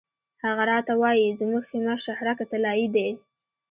هغه راته وایي زموږ خیمه شهرک طلایي دی.